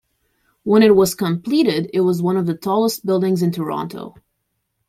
When it was completed it was one of the tallest buildings in Toronto.